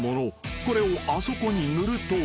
［これをあそこに塗ると］